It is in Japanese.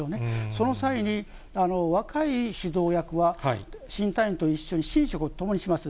その際に、若い指導役は、新隊員と一緒に寝食を共にします。